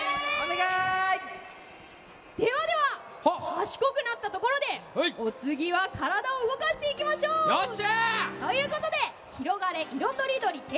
ではでは、賢くなったところでお次は体を動かしていきましょう。ということで「ひろがれ！いろとりどり」